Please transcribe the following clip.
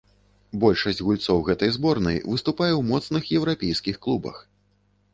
Большасць гульцоў гэтай зборнай выступае ў моцных еўрапейскіх клубах.